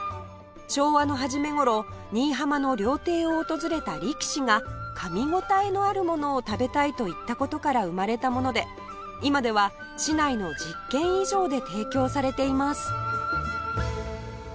昭和の初め頃新居浜の料亭を訪れた力士がかみ応えのあるものを食べたいと言った事から生まれたもので今では市内の１０軒以上で提供されています